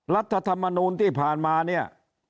รัฐธรรมนูลที่ผ่านมาเนี่ย